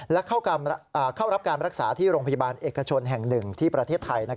และเข้ารับการรักษาที่โรงพยาบาลเอกชนแห่งหนึ่งที่ประเทศไทย